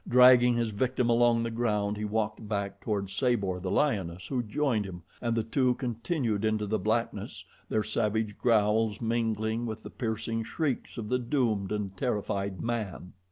Dragging his victim along the ground he walked back toward Sabor, the lioness, who joined him, and the two continued into the blackness, their savage growls mingling with the piercing shrieks of the doomed and terrified man.